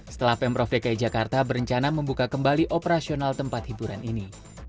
setelah pemprov dki jakarta berencana membuka kembali operasional tempat hiburan ini